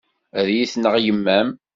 Ad iyi-tneɣ yemma-m.